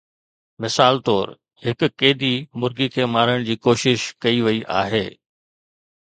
مثال طور، هڪ قيدي مرغي کي مارڻ جي ڪوشش ڪئي وئي آهي